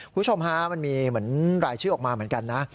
คุณผู้ชมฮะมันมีเหมือนรายชื่อออกมาเหมือนกันนะ